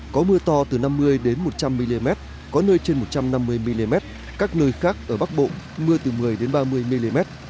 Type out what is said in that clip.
có mưa to từ năm mươi một trăm linh mm có nơi trên một trăm năm mươi mm các nơi khác ở bắc bộ mưa từ một mươi ba mươi mm